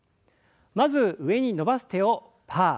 まず上に伸ばす手をパー。